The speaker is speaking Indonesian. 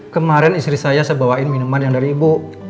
kemarin istri saya saya bawain minuman yang dari ibu